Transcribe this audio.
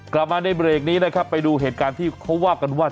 กลับมาในเบรกนี้นะครับไปดูเหตุการณ์ที่เขาว่ากันว่า